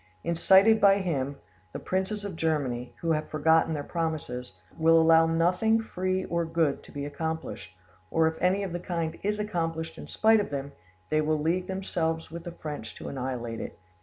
Incited by him, the princes of Germany, who have forgotten their promises, will allow nothing free or good to be accomplished; or if anything of the kind is accomplished in spite of them, they will league themselves with the French to annihilate it.